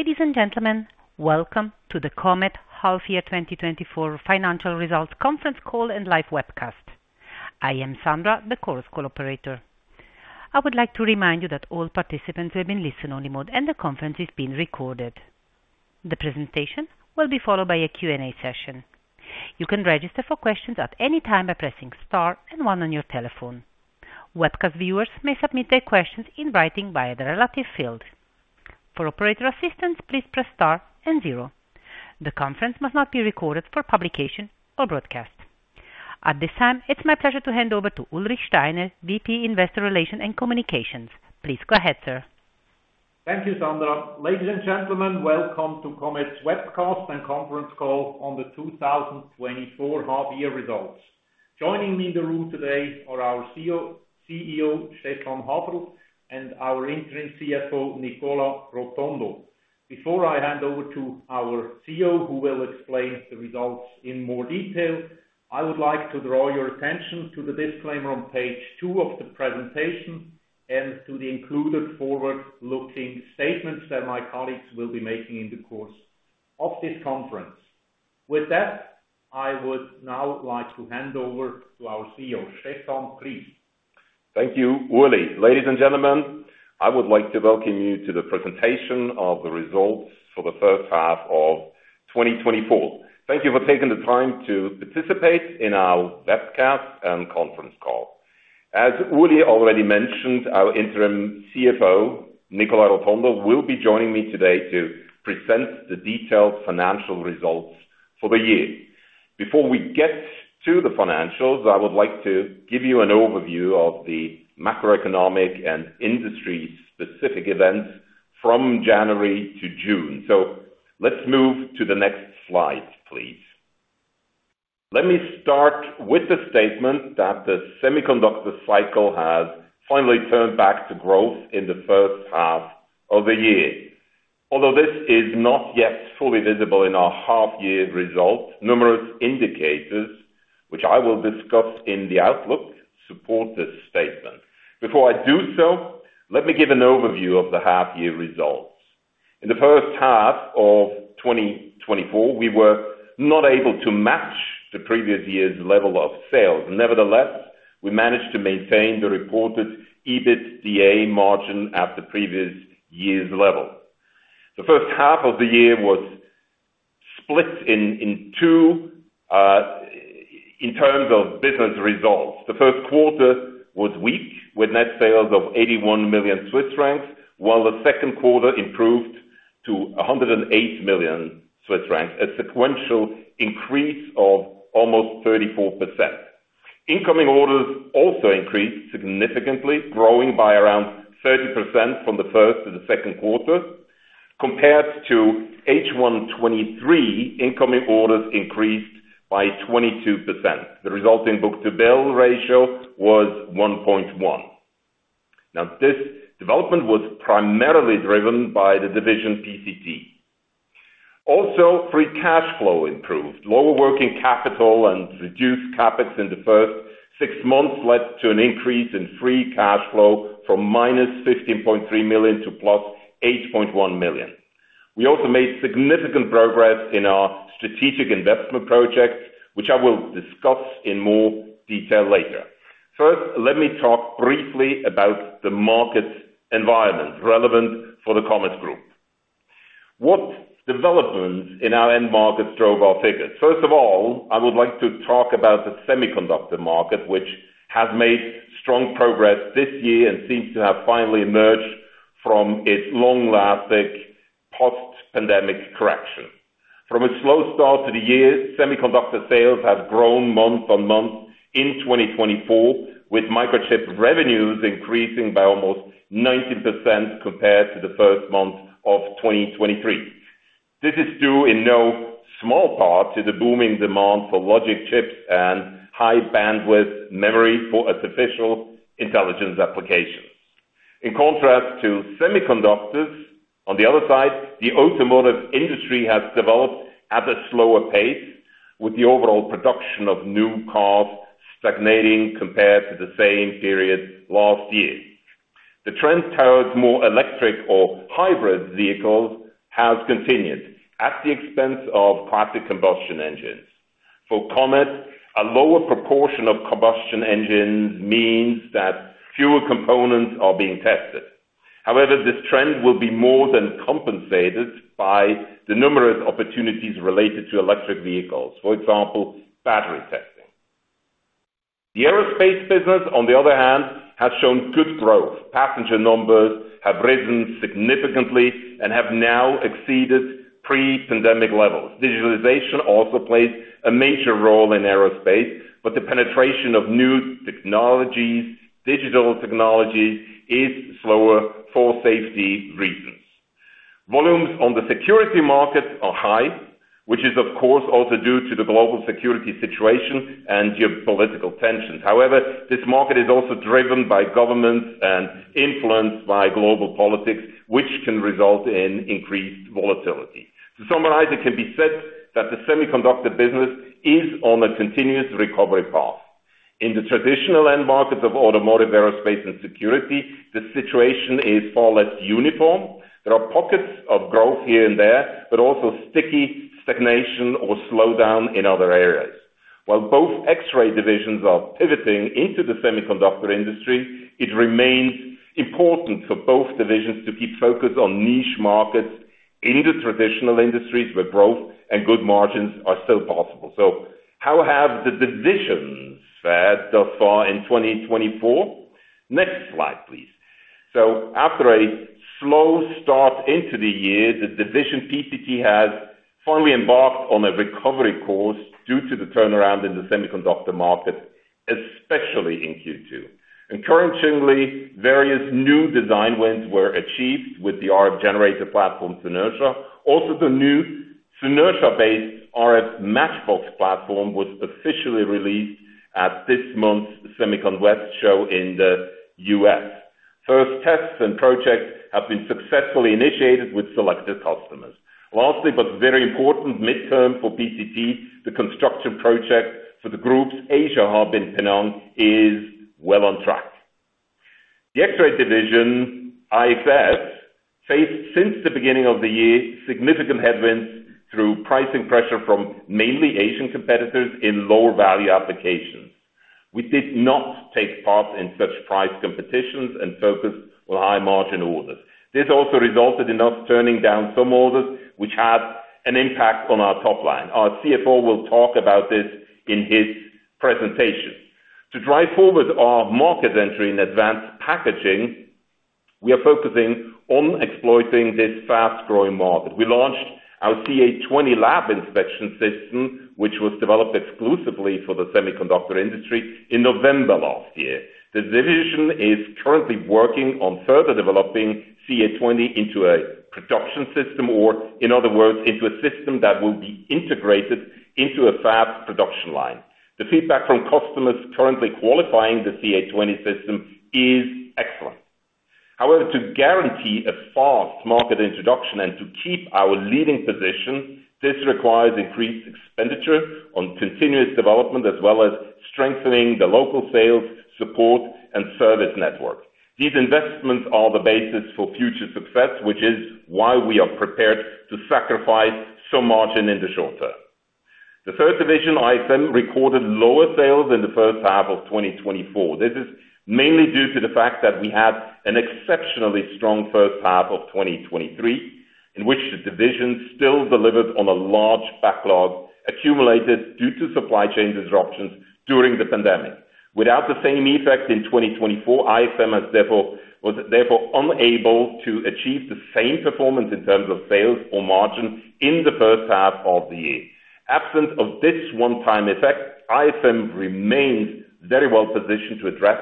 Ladies and gentlemen, welcome to the Comet Half Year 2024 Financial Results Conference Call and Live Webcast. I am Sandra, the Chorus Call operator. I would like to remind you that all participants have been placed in listen-only mode and the conference is being recorded. The presentation will be followed by a Q&A session. You can register for questions at any time by pressing star and one on your telephone. Webcast viewers may submit their questions in writing via the relevant field. For operator assistance, please press star and zero. The conference must not be recorded for publication or broadcast. At this time, it's my pleasure to hand over to Ulrich Steiner, VP, Investor Relations and Communications. Please go ahead, sir. Thank you, Sandra. Ladies and gentlemen, welcome to Comet's Webcast and Conference Call on the 2024 Half Year Results. Joining me in the room today are our CEO, CEO, Stephan Haferl, and our interim CFO, Nicola Rotondo. Before I hand over to our CEO, who will explain the results in more detail, I would like to draw your attention to the disclaimer on page two of the presentation, and to the included forward-looking statements that my colleagues will be making in the course of this conference. With that, I would now like to hand over to our CEO, Stephan, please. Thank you, Uli. Ladies and gentlemen, I would like to welcome you to the presentation of the results for the first half of 2024. Thank you for taking the time to participate in our webcast and conference call. As Uli already mentioned, our Interim CFO, Nicola Rotondo, will be joining me today to present the detailed financial results for the year. Before we get to the financials, I would like to give you an overview of the macroeconomic and industry-specific events from January to June. Let's move to the next slide, please. Let me start with the statement that the semiconductor cycle has finally turned back to growth in the first half of the year. Although this is not yet fully visible in our half year results, numerous indicators, which I will discuss in the outlook, support this statement. Before I do so, let me give an overview of the half year results. In the first half of 2024, we were not able to match the previous year's level of sales. Nevertheless, we managed to maintain the reported EBITDA margin at the previous year's level. The first half of the year was split in two in terms of business results. The Q1 was weak, with net sales of 81 million Swiss francs, while the Q2 improved to 108 million Swiss francs, a sequential increase of almost 34%. Incoming orders also increased significantly, growing by around 30% from the Q1 to the Q2. Compared to H1 2023, incoming orders increased by 22%. The resulting book-to-bill ratio was 1.1. Now, this development was primarily driven by the division PCT. Also, free cash flow improved. Lower working capital and reduced CapEx in the first six months led to an increase in free cash flow from minus 15.3 to +8.1 million. We also made significant progress in our strategic investment project, which I will discuss in more detail later. First, let me talk briefly about the market environment relevant for the Comet Group. What developments in our end markets drove our figures? First of all, I would like to talk about the semiconductor market, which has made strong progress this year and seems to have finally emerged from its long-lasting post-pandemic correction. From a slow start to the year, semiconductor sales have grown month-on-month in 2024, with microchip revenues increasing by almost 19% compared to the first month of 2023. This is due in no small part to the booming demand for logic chips and high bandwidth memory for artificial intelligence applications. In contrast to semiconductors, on the other side, the automotive industry has developed at a slower pace, with the overall production of new cars stagnating compared to the same period last year. The trend towards more electric or hybrid vehicles has continued at the expense of classic combustion engines. For Comet, a lower proportion of combustion engines means that fewer components are being tested. However, this trend will be more than compensated by the numerous opportunities related to electric vehicles, for example, battery testing. The aerospace business, on the other hand, has shown good growth. Passenger numbers have risen significantly and have now exceeded pre-pandemic levels. Digitalization also plays a major role in aerospace, but the penetration of new technologies, digital technologies, is slower for safety reasons. Volumes on the security market are high, which is of course also due to the global security situation and geopolitical tensions. However, this market is also driven by governments and influenced by global politics, which can result in increased volatility. To summarize, it can be said that the semiconductor business is on a continuous recovery path. In the traditional end markets of automotive, aerospace, and security, the situation is far less uniform. There are pockets of growth here and there, but also sticky stagnation or slowdown in other areas. While both X-ray divisions are pivoting into the semiconductor industry, it remains important for both divisions to keep focused on niche markets in the traditional industries, where growth and good margins are still possible. So how have the divisions fared thus far in 2024? Next slide, please. So after a slow start into the year, the division PCT has finally embarked on a recovery course due to the turnaround in the semiconductor market, especially in Q2. And currently, various new design wins were achieved with the RF generator platform, Synertia. Also, the new Synertia-based RF matchbox platform was officially released at this month's SEMICON West show in the U.S. First tests and projects have been successfully initiated with selected customers. Lastly, but very important midterm for PCT, the construction project for the group's Asia hub in Penang is well on track. The X-ray division, IXS, faced since the beginning of the year, significant headwinds through pricing pressure from mainly Asian competitors in lower value applications. We did not take part in such price competitions and focused on high margin orders. This also resulted in us turning down some orders, which had an impact on our top line. Our CFO will talk about this in his presentation. To drive forward our market entry in advanced packaging, we are focusing on exploiting this fast-growing market. We launched our CA20 lab inspection system, which was developed exclusively for the semiconductor industry in November last year. The division is currently working on further developing CA20 into a production system, or in other words, into a system that will be integrated into a fast production line. The feedback from customers currently qualifying the CA20 system is excellent. However, to guarantee a fast market introduction and to keep our leading position, this requires increased expenditure on continuous development, as well as strengthening the local sales, support and service network. These investments are the basis for future success, which is why we are prepared to sacrifice some margin in the short term. The third division, IXM, recorded lower sales in the first half of 2024. This is mainly due to the fact that we had an exceptionally strong first half of 2023, in which the division still delivered on a large backlog accumulated due to supply chain disruptions during the pandemic. Without the same effect in 2024, IXM was therefore unable to achieve the same performance in terms of sales or margin in the first half of the year. Absent of this one-time effect, IXM remains very well positioned to address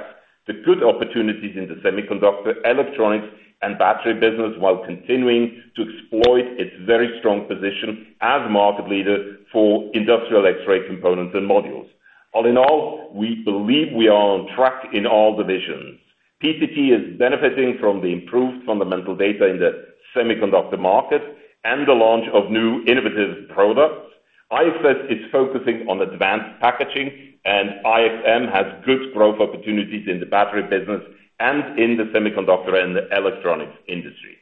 the good opportunities in the semiconductor, electronics, and battery business, while continuing to exploit its very strong position as market leader for industrial X-ray components and modules. All in all, we believe we are on track in all divisions. PCT is benefiting from the improved fundamental data in the semiconductor market and the launch of new innovative products. IXS is focusing on advanced packaging, and IXM has good growth opportunities in the battery business and in the semiconductor and the electronics industry.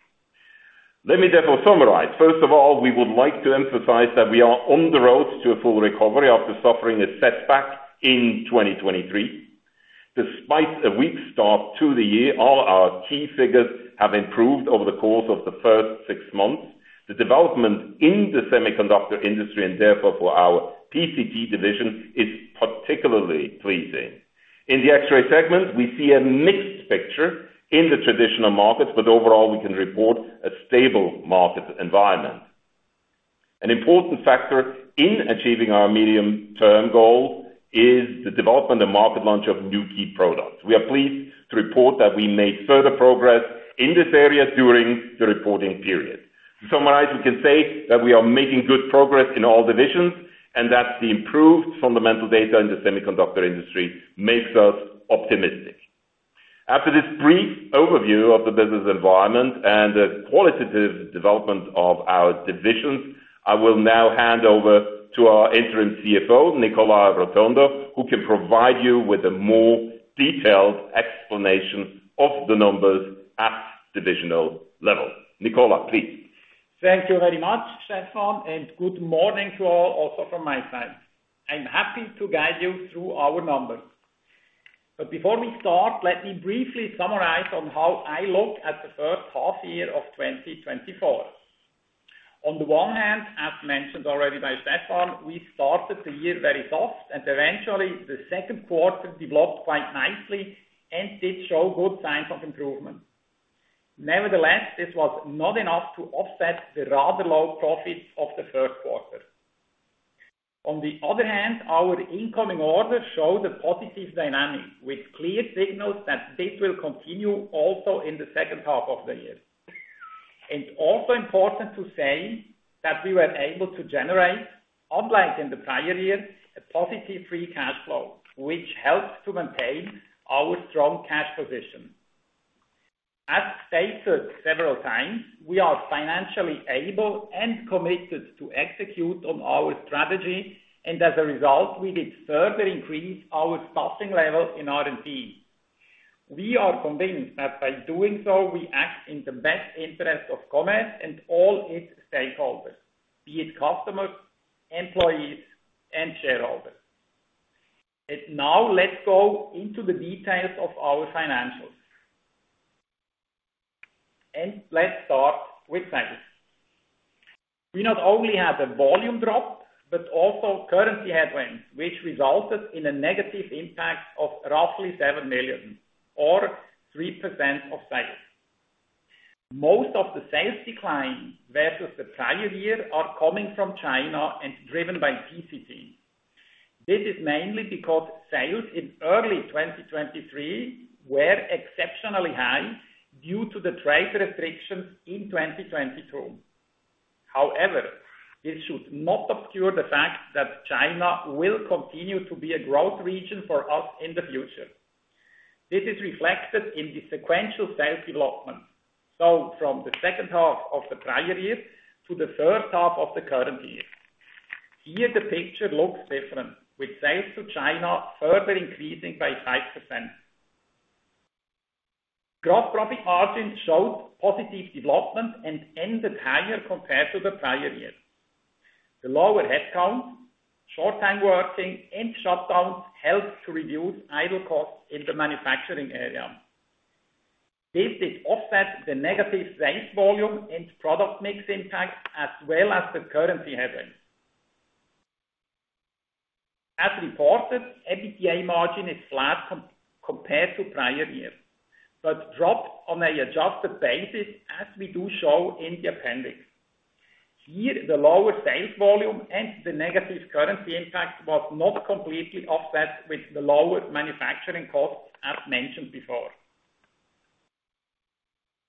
Let me therefore summarize. First of all, we would like to emphasize that we are on the road to a full recovery after suffering a setback in 2023. Despite a weak start to the year, all our key figures have improved over the course of the first six months. The development in the semiconductor industry, and therefore for our PCT division, is particularly pleasing. In the X-ray segment, we see a mixed picture in the traditional markets, but overall, we can report a stable market environment. An important factor in achieving our medium-term goal is the development and market launch of new key products. We are pleased to report that we made further progress in this area during the reporting period. To summarize, we can say that we are making good progress in all divisions, and that the improved fundamental data in the semiconductor industry makes us optimistic. After this brief overview of the business environment and the qualitative development of our divisions, I will now hand over to our Interim CFO, Nicola Rotondo, who can provide you with a more detailed explanation of the numbers at divisional level. Nicola, please. Thank you very much, Stephan, and good morning to all, also from my side. I'm happy to guide you through our numbers. But before we start, let me briefly summarize on how I look at the first half year of 2024. On the one hand, as mentioned already by Stephan, we started the year very soft, and eventually, the Q2 developed quite nicely and did show good signs of improvement. Nevertheless, this was not enough to offset the rather low profits of the Q3. On the other hand, our incoming orders show the positive dynamic, with clear signals that this will continue also in the second half of the year. It's also important to say that we were able to generate, unlike in the prior year, a positive free cash flow, which helped to maintain our strong cash position.... As stated several times, we are financially able and committed to execute on our strategy, and as a result, we did further increase our staffing level in R&D. We are convinced that by doing so, we act in the best interest of Comet and all its stakeholders, be it customers, employees, and shareholders. Now let's go into the details of our financials. Let's start with sales. We not only had a volume drop, but also currency headwinds, which resulted in a negative impact of roughly 7 million, or 3% of sales. Most of the sales decline versus the prior year are coming from China and driven by PCT. This is mainly because sales in early 2023 were exceptionally high due to the trade restrictions in 2022. However, this should not obscure the fact that China will continue to be a growth region for us in the future. This is reflected in the sequential sales development, so from the second half of the prior year to the first half of the current year. Here, the picture looks different, with sales to China further increasing by 5%. Gross profit margin showed positive development and ended higher compared to the prior year. The lower headcount, short-time working, and shutdowns helped to reduce idle costs in the manufacturing area. This did offset the negative sales volume and product mix impact, as well as the currency headwinds. As reported, EBITDA margin is flat compared to prior year, but dropped on an adjusted basis, as we do show in the appendix. Here, the lower sales volume and the negative currency impact was not completely offset with the lower manufacturing costs, as mentioned before.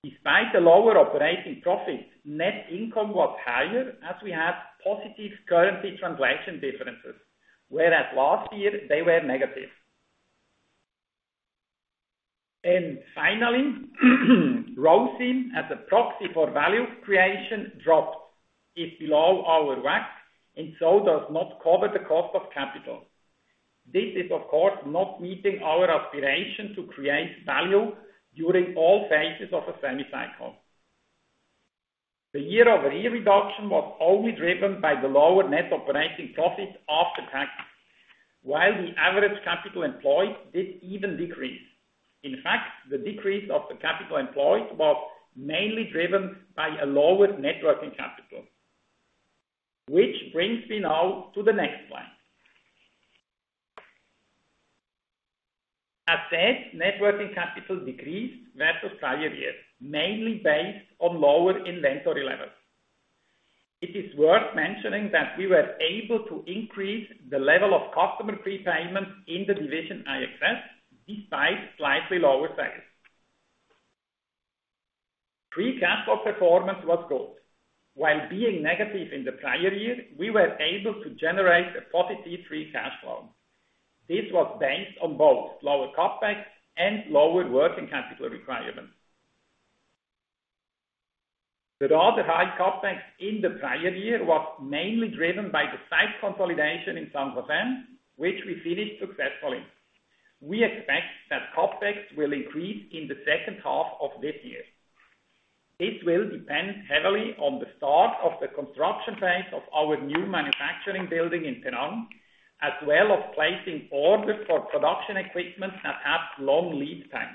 Despite the lower operating profits, net income was higher as we had positive currency translation differences, whereas last year they were negative. Finally, ROIC, as a proxy for value creation, dropped is below our WACC, and so does not cover the cost of capital. This is, of course, not meeting our aspiration to create value during all phases of a semi cycle. The year-over-year reduction was only driven by the lower net operating profit after tax, while the average capital employed did even decrease. In fact, the decrease of the capital employed was mainly driven by a lower net working capital, which brings me now to the next slide. As said, net working capital decreased versus prior years, mainly based on lower inventory levels. It is worth mentioning that we were able to increase the level of customer prepayments in the division IXS, despite slightly lower sales. Free cash flow performance was good. While being negative in the prior year, we were able to generate a positive free cash flow. This was based on both lower CapEx and lower working capital requirements. The rather high CapEx in the prior year was mainly driven by the site consolidation in San Jose, which we finished successfully. We expect that CapEx will increase in the second half of this year. It will depend heavily on the start of the construction phase of our new manufacturing building in Penang, as well as placing orders for production equipment that have long lead time.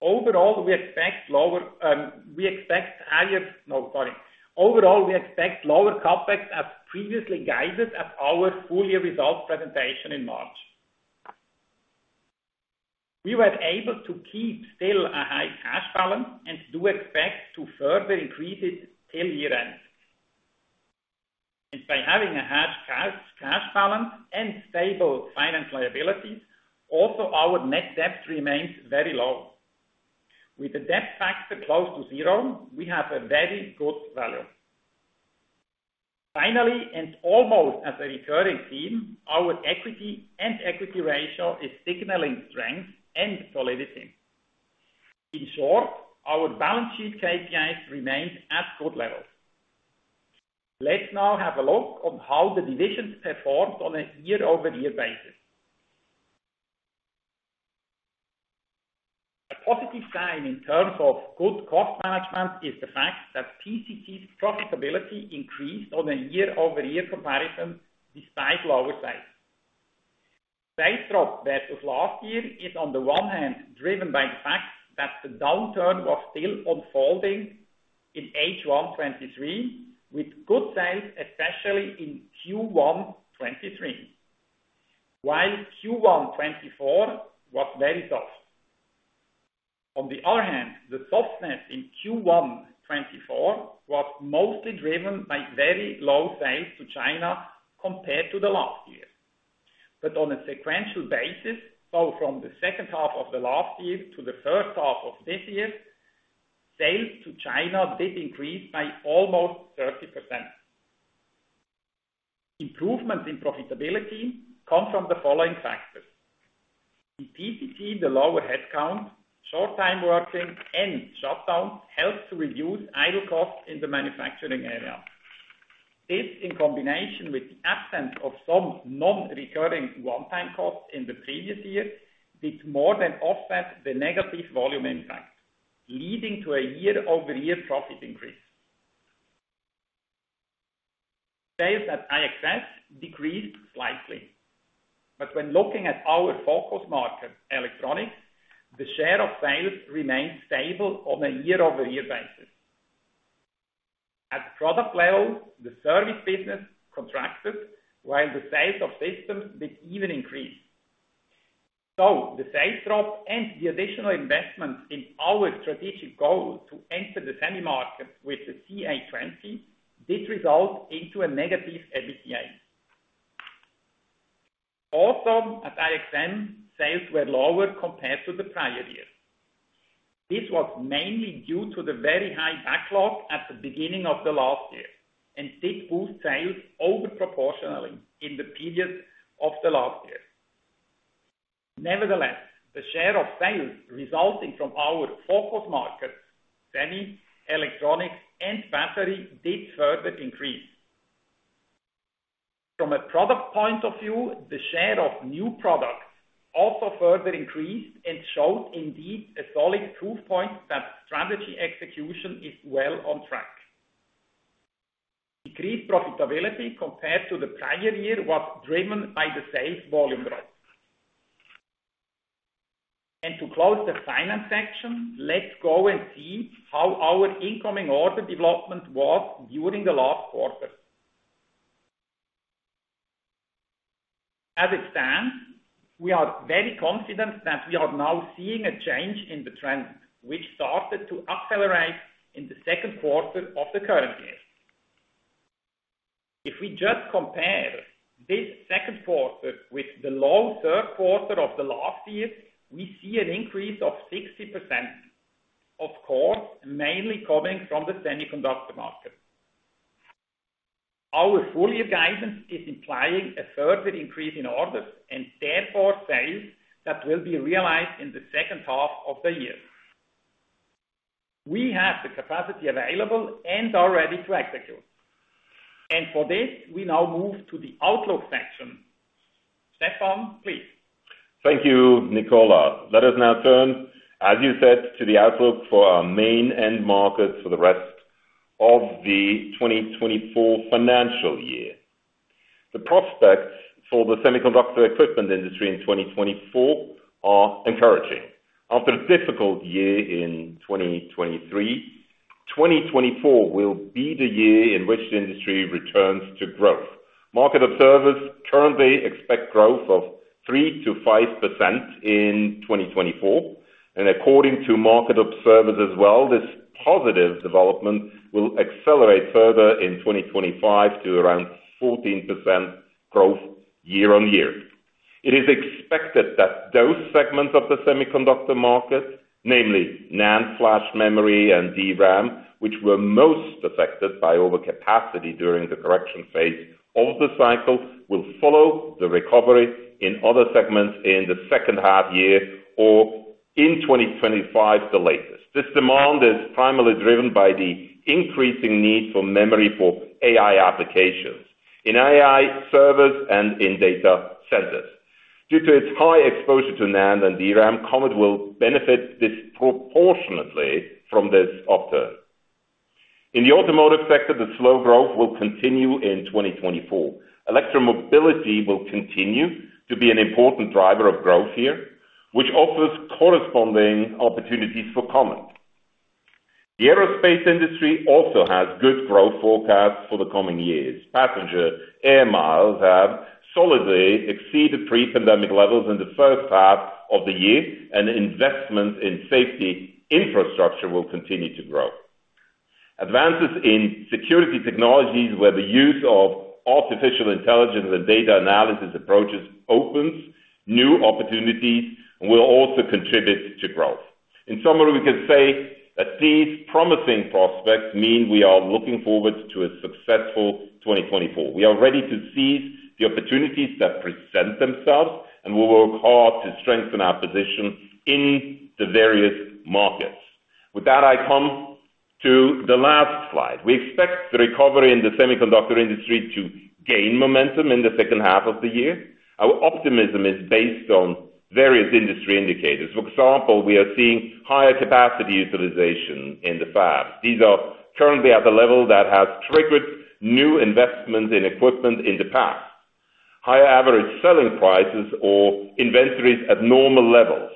Overall, we expect lower CapEx as previously guided at our full year results presentation in March. We were able to keep still a high cash balance and do expect to further increase it till year-end. By having a high cash, cash balance and stable finance liabilities, also our net debt remains very low. With the debt factor close to zero, we have a very good value. Finally, and almost as a recurring theme, our equity and equity ratio is signaling strength and solidity. In short, our balance sheet KPIs remained at good levels. Let's now have a look on how the divisions performed on a year-over-year basis. A positive sign in terms of good cost management is the fact that PCT's profitability increased on a year-over-year comparison, despite lower sales. Sales drop versus last year is, on the one hand, driven by the fact that the downturn was still unfolding in H1 2023, with good sales, especially in Q1 2023, while Q1 2024 was very tough. On the other hand, the softness in Q1 2024 was mostly driven by very low sales to China compared to the last year. But on a sequential basis, so from the second half of the last year to the first half of this year, sales to China did increase by almost 30%.... Improvements in profitability come from the following factors: In PCT, the lower headcount, short time working, and shutdown helped to reduce idle costs in the manufacturing area. This, in combination with the absence of some non-recurring one-time costs in the previous year, did more than offset the negative volume impact, leading to a year-over-year profit increase. Sales at IXS decreased slightly, but when looking at our focus market, electronics, the share of sales remained stable on a year-over-year basis. At product level, the service business contracted, while the sales of systems did even increase. So the sales drop and the additional investments in our strategic goal to enter the semi market with the CA20, did result into a negative EBITDA. Also, at IXM, sales were lower compared to the prior year. This was mainly due to the very high backlog at the beginning of the last year, and did boost sales over proportionally in the period of the last year. Nevertheless, the share of sales resulting from our focus markets, semi, electronics, and battery, did further increase. From a product point of view, the share of new products also further increased and showed indeed a solid proof point that strategy execution is well on track. Increased profitability compared to the prior year was driven by the sales volume growth. To close the finance section, let's go and see how our incoming order development was during the last quarter. As it stands, we are very confident that we are now seeing a change in the trend, which started to accelerate in the Q2 of the current year. If we just compare this Q2 with the low Q3 of the last year, we see an increase of 60%, of course, mainly coming from the semiconductor market. Our full year guidance is implying a further increase in orders, and therefore sales, that will be realized in the second half of the year. We have the capacity available and are ready to execute, and for this, we now move to the outlook section. Stephan, please. Thank you, Nicola. Let us now turn, as you said, to the outlook for our main end markets for the rest of the 2024 financial year. The prospects for the semiconductor equipment industry in 2024 are encouraging. After a difficult year in 2023, 2024 will be the year in which the industry returns to growth. Market observers currently expect growth of 3%-5% in 2024, and according to market observers as well, this positive development will accelerate further in 2025 to around 14% growth year on year. It is expected that those segments of the semiconductor market, namely NAND flash memory and DRAM, which were most affected by overcapacity during the correction phase of the cycle, will follow the recovery in other segments in the second half year or in 2025, the latest. This demand is primarily driven by the increasing need for memory for AI applications, in AI servers and in data centers. Due to its high exposure to NAND and DRAM, Comet will benefit disproportionately from this upturn. In the automotive sector, the slow growth will continue in 2024. Electromobility will continue to be an important driver of growth here, which offers corresponding opportunities for Comet. The aerospace industry also has good growth forecasts for the coming years. Passenger air miles have solidly exceeded pre-pandemic levels in the first half of the year, and investment in safety infrastructure will continue to grow. Advances in security technologies, where the use of artificial intelligence and data analysis approaches opens new opportunities, will also contribute to growth. In summary, we can say that these promising prospects mean we are looking forward to a successful 2024. We are ready to seize the opportunities that present themselves, and we will work hard to strengthen our position in the various markets. With that, I come to the last slide. We expect the recovery in the semiconductor industry to gain momentum in the second half of the year. Our optimism is based on various industry indicators. For example, we are seeing higher capacity utilization in the past. These are currently at the level that has triggered new investment in equipment in the past. Higher average selling prices or inventories at normal levels.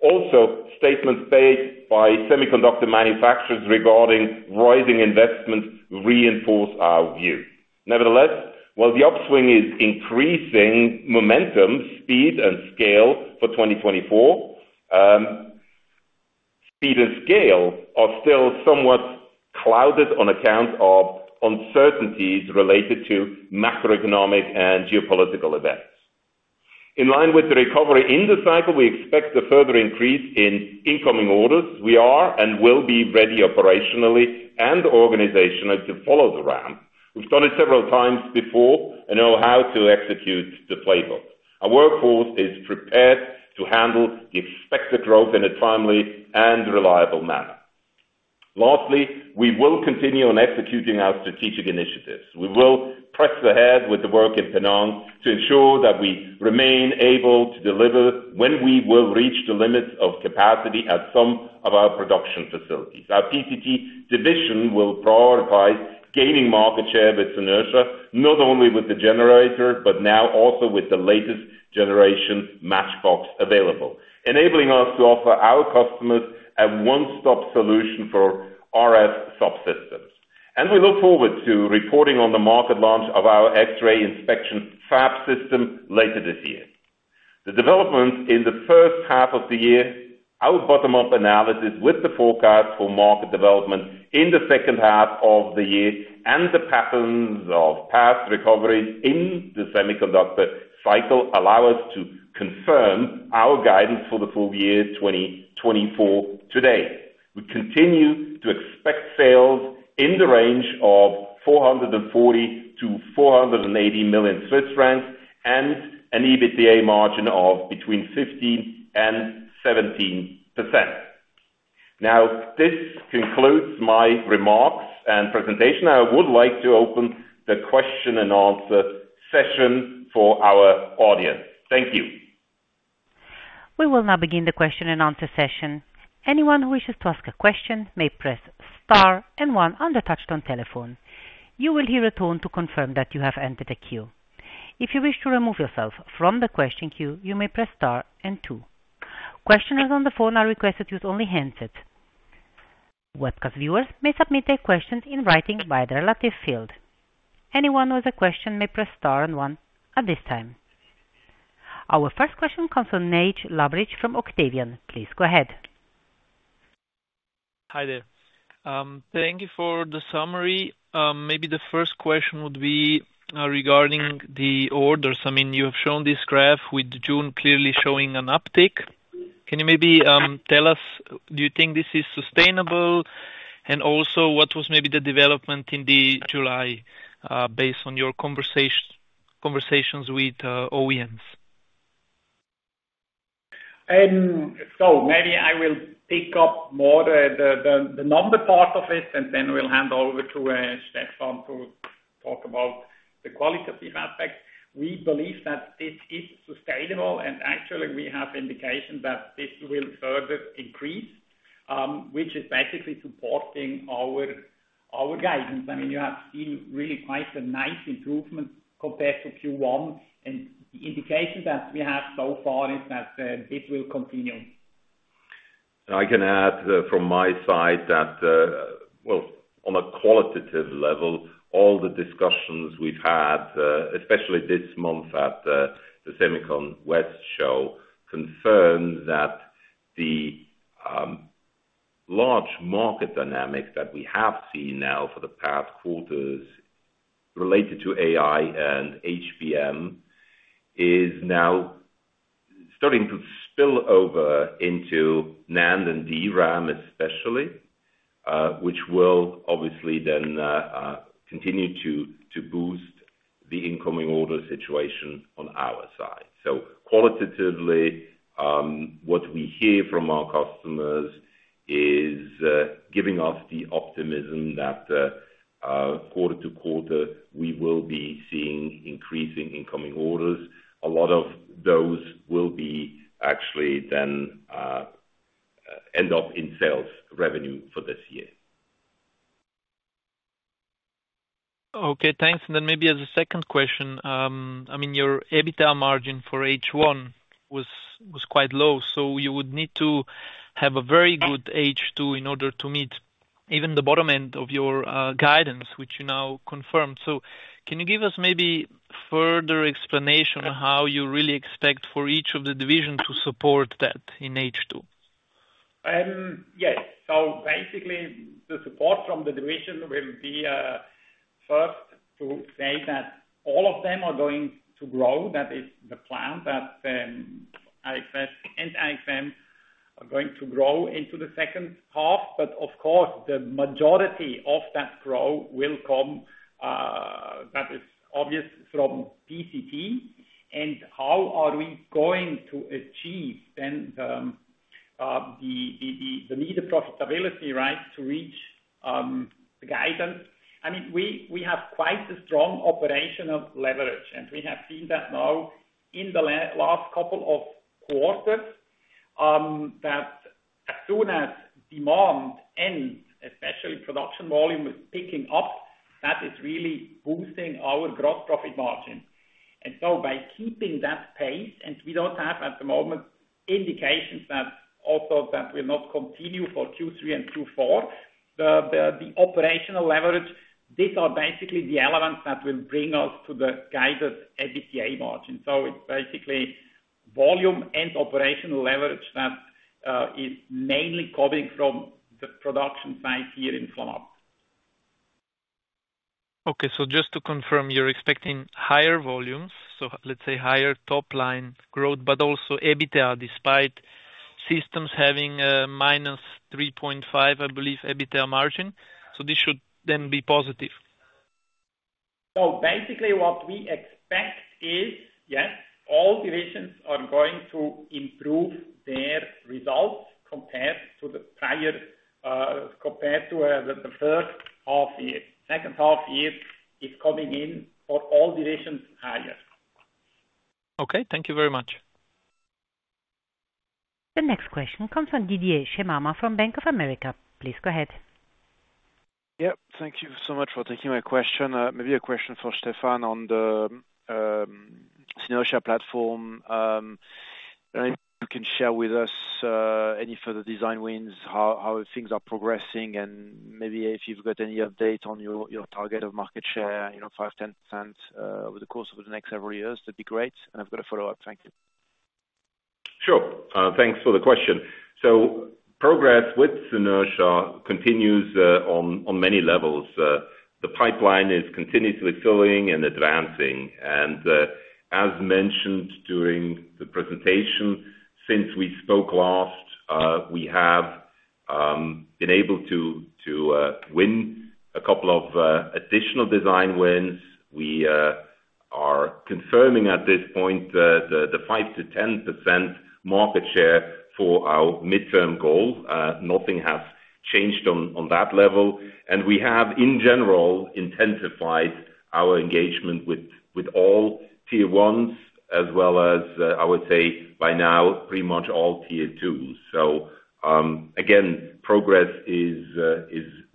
Also, statements made by semiconductor manufacturers regarding rising investments reinforce our view. Nevertheless, while the upswing is increasing momentum, speed, and scale for 2024, speed and scale are still somewhat clouded on account of uncertainties related to macroeconomic and geopolitical events. In line with the recovery in the cycle, we expect a further increase in incoming orders. We are and will be ready operationally and organizationally to follow the ramp. We've done it several times before and know how to execute the playbook. Our workforce is prepared to handle the expected growth in a timely and reliable manner. Lastly, we will continue on executing our strategic initiatives. We will press ahead with the work in Penang to ensure that we remain able to deliver when we will reach the limits of capacity at some of our production facilities. Our PCT division will grow by gaining market share with Synertia, not only with the generator, but now also with the latest generation matchbox available, enabling us to offer our customers a one-stop solution for RF subsystems. We look forward to reporting on the market launch of our X-ray inspection fab system later this year. The development in the first half of the year, our bottom-up analysis with the forecast for market development in the second half of the year, and the patterns of past recovery in the semiconductor cycle, allow us to confirm our guidance for the full year 2024 today. We continue to expect sales in the range of 440 to 480 million, and an EBITDA margin of between 15% and 17%. Now, this concludes my remarks and presentation. I would like to open the question and answer session for our audience. Thank you. We will now begin the question and answer session. Anyone who wishes to ask a question may press star and one on the touch-tone telephone. You will hear a tone to confirm that you have entered the queue. If you wish to remove yourself from the question queue, you may press star and two. Questioners on the phone are requested to use only handset. Webcast viewers may submit their questions in writing via the relative field. Anyone with a question may press star and one at this time. Our first question comes from Nigel Lavrych from Octavian. Please go ahead. Hi there. Thank you for the summary. Maybe the first question would be regarding the orders. I mean, you have shown this graph with June clearly showing an uptick. Can you maybe tell us, do you think this is sustainable? And also, what was maybe the development in July based on your conversations with OEMs? So maybe I will pick up more the number part of it, and then we'll hand over to Stephan to talk about the qualitative aspect. We believe that this is sustainable, and actually, we have indication that this will further increase, which is basically supporting our guidance. I mean, you have seen really quite a nice improvement compared to Q1, and the indication that we have so far is that it will continue. And I can add from my side that well on a qualitative level all the discussions we've had especially this month at the SEMICON West show confirms that the large market dynamics that we have seen now for the past quarters related to AI and HBM is now starting to spill over into NAND and DRAM especially which will obviously then continue to boost the incoming order situation on our side. So qualitatively what we hear from our customers is giving us the optimism that quarter to quarter we will be seeing increasing incoming orders. A lot of those will be actually then end up in sales revenue for this year. Okay, thanks. And then maybe as a second question, I mean, your EBITDA margin for H1 was quite low, so you would need to have a very good H2 in order to meet even the bottom end of your guidance, which you now confirmed. So can you give us maybe further explanation on how you really expect for each of the divisions to support that in H2? Yes. So basically, the support from the division will be first to say that all of them are going to grow. That is the plan, that IXS and AXM are going to grow into the second half. But of course, the majority of that growth will come, that is obvious from PCT. And how are we going to achieve then the needed profitability, right, to reach the guidance? I mean, we have quite a strong operational leverage, and we have seen that now in the last couple of quarters, that as soon as demand ends, especially production volume is picking up, that is really boosting our gross profit margin. And so by keeping that pace, and we don't have, at the moment, indications that also that will not continue for Q3 and Q4, the operational leverage, these are basically the elements that will bring us to the guided EBITDA margin. So it's basically volume and operational leverage that is mainly coming from the production side here in Flamatt. Okay, so just to confirm, you're expecting higher volumes, so let's say higher top line growth, but also EBITDA, despite systems having minus 3.5%, I believe, EBITDA margin. So this should then be positive? So basically, what we expect is, yes, all divisions are going to improve their results compared to the prior, compared to the first half year. Second half year is coming in for all divisions higher. Okay. Thank you very much. The next question comes from Didier Scemama from Bank of America. Please go ahead. Yep. Thank you so much for taking my question. Maybe a question for Stephan on the Synertia platform. If you can share with us any further design wins, how things are progressing, and maybe if you've got any update on your target of market share, you know, 5%-10% over the course of the next several years, that'd be great. And I've got a follow-up. Thank you. Sure. Thanks for the question. So progress with Synertia continues on many levels. The pipeline is continuously filling and advancing. And, as mentioned during the presentation, since we spoke last, we have been able to win a couple of additional design wins. We are confirming at this point the 5%-10% market share for our midterm goal. Nothing has changed on that level, and we have, in general, intensified our engagement with all tier ones, as well as, I would say, by now, pretty much all tier twos. So, again, progress is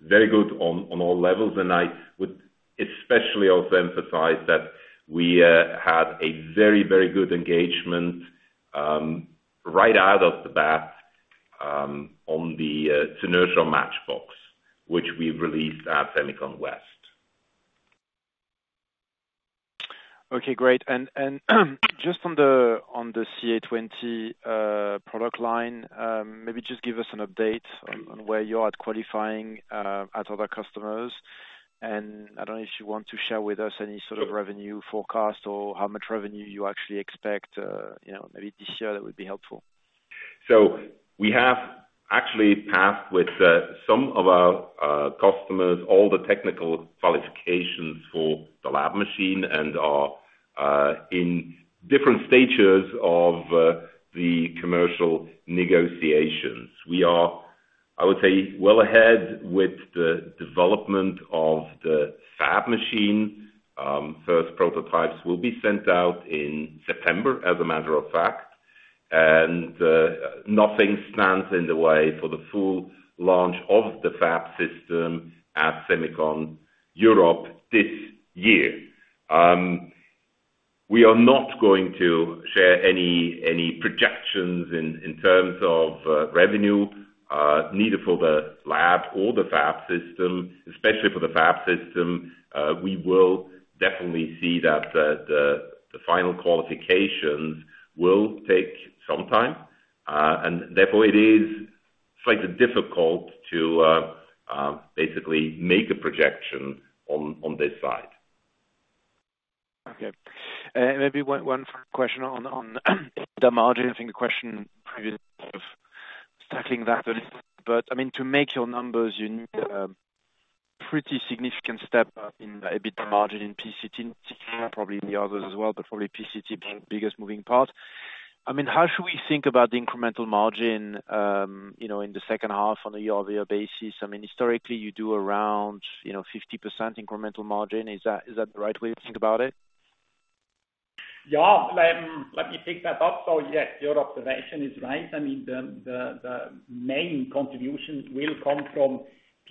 very good on all levels, and I would especially also emphasize that we had a very, very good engagement right out of the bat on the Synertia matchbox, which we released at SEMICON West. Okay, great. Just on the CA20 product line, maybe just give us an update on where you are at qualifying at other customers. I don't know if you want to share with us any sort of revenue forecast or how much revenue you actually expect, you know, maybe this year, that would be helpful. So we have actually passed with some of our customers all the technical qualifications for the lab machine and are in different stages of the commercial negotiations. We are, I would say, well ahead with the development of the fab machine. First prototypes will be sent out in September, as a matter of fact, and nothing stands in the way for the full launch of the fab system at SEMICON Europe this year. We are not going to share any any projections in in terms of revenue neither for the lab or the fab system, especially for the fab system. We will definitely see that the the final qualifications will take some time and therefore it is slightly difficult to basically make a projection on on this side. Okay. Maybe one quick question on the margin. I think the question previously of tackling that a little, but I mean, to make your numbers, you need pretty significant step up in EBITDA margin in PCT, probably in the others as well, but probably PCT being the biggest moving part. I mean, how should we think about the incremental margin, you know, in the second half on a year-over-year basis? I mean, historically, you do around, you know, 50% incremental margin. Is that the right way to think about it? Yeah. Let me pick that up. So yes, your observation is right. I mean, the main contribution will come from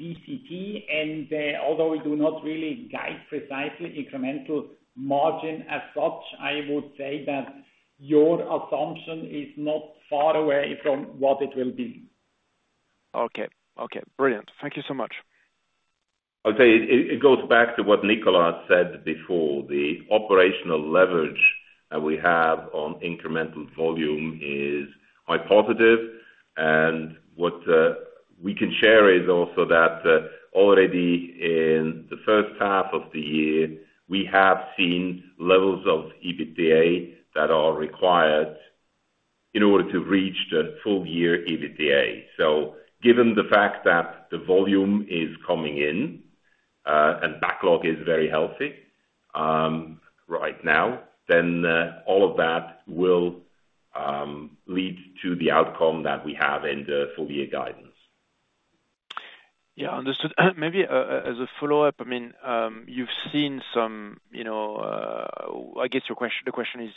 PCT, and although we do not really guide precisely incremental margin as such, I would say that your assumption is not far away from what it will be. Okay. Okay, brilliant. Thank you so much. I'll tell you, it goes back to what Nicola said before. The operational leverage that we have on incremental volume is quite positive, and what we can share is also that, already in the first half of the year, we have seen levels of EBITDA that are required in order to reach the full year EBITDA. So given the fact that the volume is coming in, and backlog is very healthy, right now, then, all of that will lead to the outcome that we have in the full year guidance. Yeah. Understood. Maybe, as a follow-up, I mean, you've seen some, you know... I guess your question—the question is,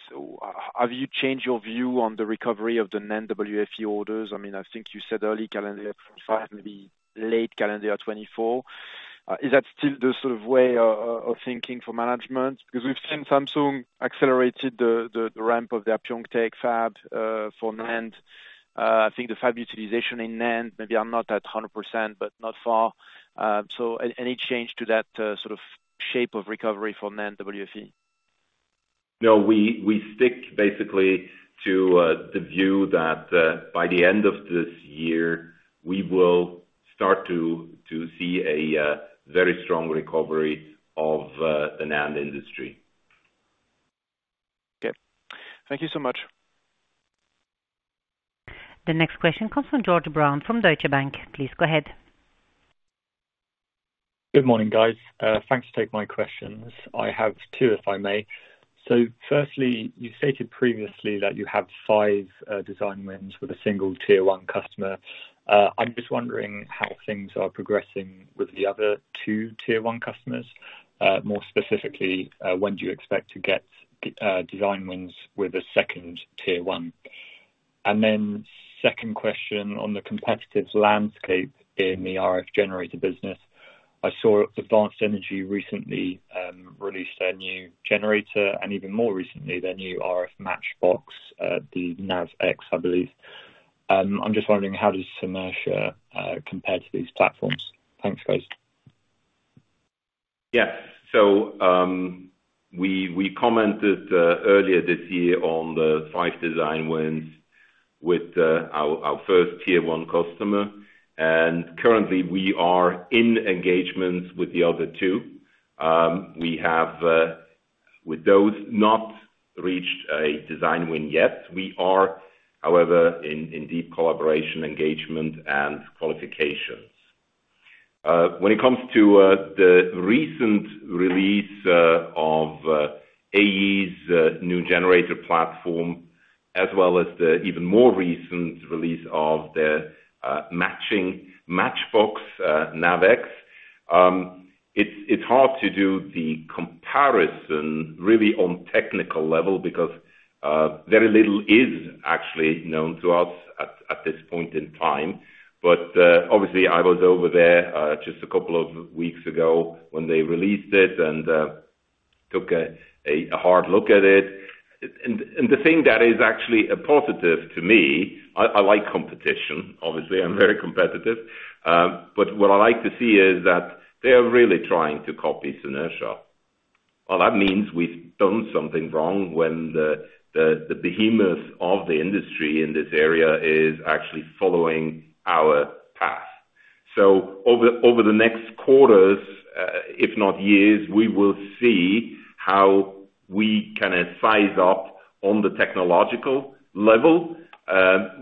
have you changed your view on the recovery of the NAND WFE orders? I mean, I think you said early calendar maybe late calendar 2024. Is that still the sort of way of thinking for management? Because we've seen Samsung accelerated the ramp of their Pyeongtaek fab for NAND. I think the fab utilization in NAND maybe are not at 100%, but not far. So any change to that sort of shape of recovery for NAND WFE? No, we stick basically to the view that by the end of this year, we will start to see a very strong recovery of the NAND industry. Okay. Thank you so much. The next question comes from George Brown from Deutsche Bank. Please go ahead. Good morning, guys. Thanks for taking my questions. I have two, if I may. So firstly, you stated previously that you have five design wins with a single tier one customer. I'm just wondering how things are progressing with the other two tier one customers. More specifically, when do you expect to get design wins with the second tier one? And then second question on the competitive landscape in the RF generator business. I saw Advanced Energy recently released a new generator, and even more recently, their new RF match box, the NavX, I believe. I'm just wondering, how does Synertia compare to these platforms? Thanks, guys. Yeah. So, we commented earlier this year on the five design wins with our first tier one customer, and currently, we are in engagements with the other two. We have with those not reached a design win yet. We are, however, in deep collaboration, engagement, and qualifications. When it comes to the recent release of AE's new generator platform, as well as the even more recent release of the matching Matchbox NavX. It's hard to do the comparison really on technical level, because very little is actually known to us at this point in time. But obviously, I was over there just a couple of weeks ago when they released it, and took a hard look at it. And the thing that is actually a positive to me, I like competition. Obviously, I'm very competitive. But what I like to see is that they are really trying to copy Synertia. Well, that means we've done something wrong when the behemoth of the industry in this area is actually following our path. So over the next quarters, if not years, we will see how we can size up on the technological level.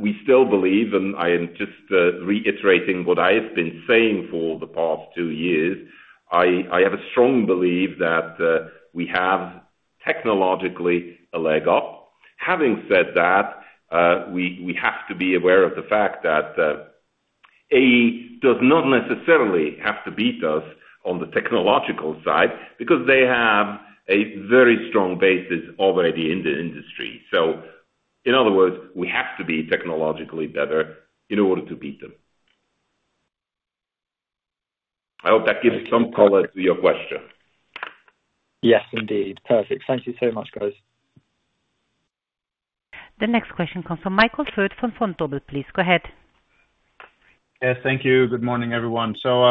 We still believe, and I am just reiterating what I have been saying for the past two years, I have a strong belief that we have technologically a leg up. Having said that, we, we have to be aware of the fact that, AE does not necessarily have to beat us on the technological side, because they have a very strong basis already in the industry. So in other words, we have to be technologically better in order to beat them. I hope that gives some color to your question. Yes, indeed. Perfect. Thank you so much, guys. The next question comes from Michael Foeth from Vontobel. Please, go ahead. Yeah, thank you. Good morning, everyone. So,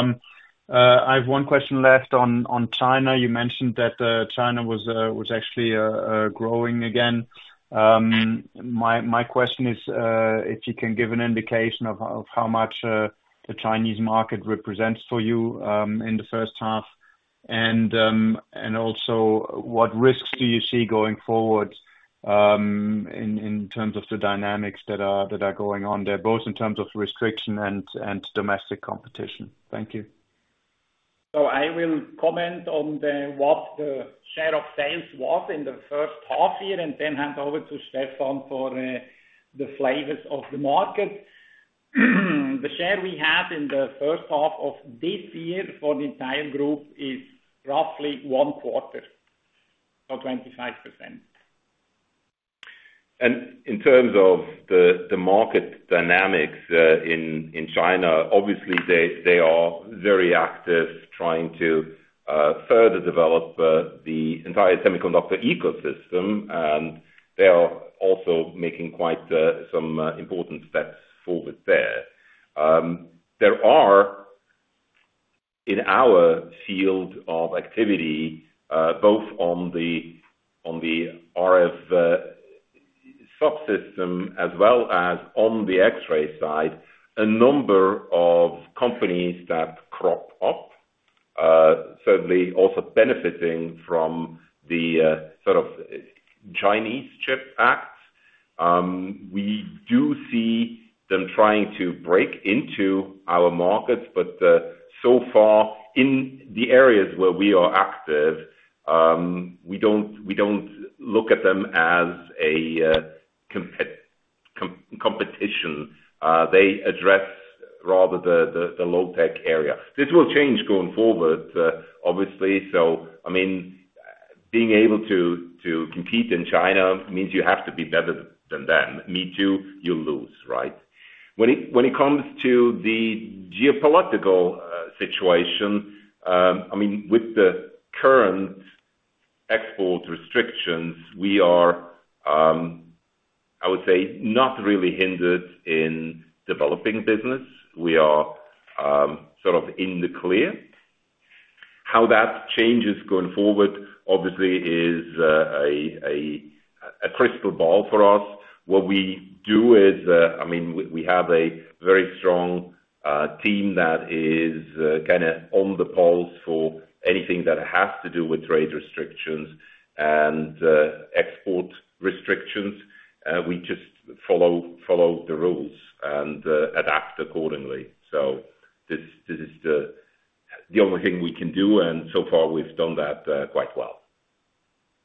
I have one question left on China. You mentioned that China was actually growing again. My question is if you can give an indication of how much the Chinese market represents for you in the first half. And also, what risks do you see going forward in terms of the dynamics that are going on there, both in terms of restriction and domestic competition? Thank you. So I will comment on what the share of sales was in the first half year, and then hand over to Stephan for the flavors of the market. The share we have in the first half of this year for the entire group is roughly one quarter, or 25%. In terms of the market dynamics in China, obviously, they are very active trying to further develop the entire semiconductor ecosystem, and they are also making quite some important steps forward there. There are, in our field of activity, both on the RF subsystem as well as on the X-ray side, a number of companies that crop up, certainly also benefiting from the sort of Chinese Chip Act. We do see them trying to break into our markets, but so far, in the areas where we are active, we don't look at them as a competition. They address rather the low tech area. This will change going forward, obviously. So, I mean, being able to compete in China means you have to be better than them. Me too, you lose, right? When it comes to the geopolitical situation, I mean, with the current export restrictions, we are, I would say, not really hindered in developing business. We are sort of in the clear. How that changes going forward, obviously is a crystal ball for us. What we do is, I mean, we have a very strong team that is kind of on the pulse for anything that has to do with trade restrictions and export restrictions. We just follow the rules and adapt accordingly. So this is the only thing we can do, and so far we've done that quite well.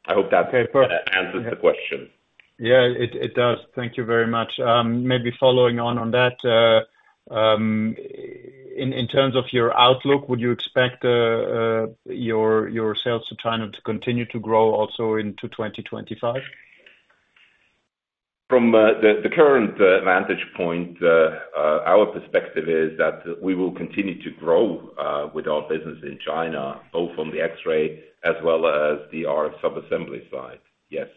I hope that- Okay, perfect. answers the question. Yeah, it does. Thank you very much. Maybe following on that, in terms of your outlook, would you expect your sales to China to continue to grow also into 2025? From the current vantage point, our perspective is that we will continue to grow with our business in China, both on the X-ray as well as the RF sub-assembly side. Yes.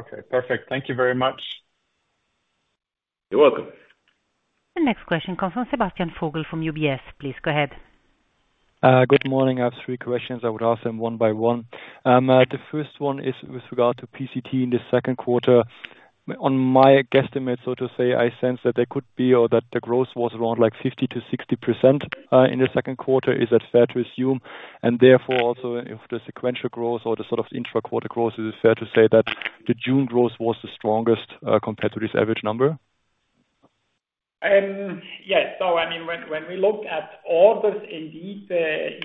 Okay, perfect. Thank you very much. You're welcome. The next question comes from Sebastian Vogel from UBS. Please go ahead. Good morning. I have three questions. I would ask them one by one. The first one is with regard to PCT in the Q2. On my guesstimate, so to say, I sense that there could be or that the growth was around, like, 50%-60% in the Q2. Is that fair to assume? And therefore, also if the sequential growth or the sort of intra-quarter growth, is it fair to say that the June growth was the strongest compared to this average number? Yes. So I mean, when, when we look at orders, indeed,